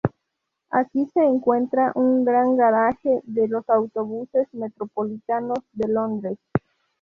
Aquí se encuentra un gran garaje de los Autobuses Metropolitanos de Londres.